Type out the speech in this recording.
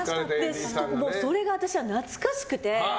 それが私は懐かしくて。